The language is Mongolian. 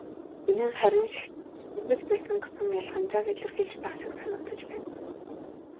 Энэ нь харин "шашин" биш "мөргөл" байсан гэсэн ялгамжааг илэрхийлж байх шиг санагдаж байна.